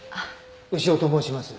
牛尾と申します。